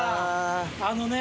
あのね